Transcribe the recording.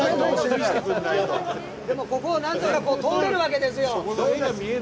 ここをなんとか通れるわけですよ。